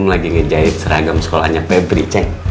aku lagi ngejahit seragam sekolahnya pebrik ceng